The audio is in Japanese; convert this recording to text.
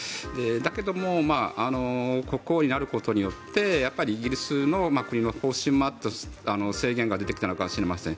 だけども国王になることによってイギリスの国の方針もあって制限が出てきたのかもしれません。